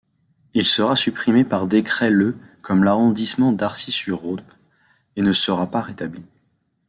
Il sera supprimé par décret le comme l'arrondissement d'Arcis-sur-Aube et ne sera pas rétabli.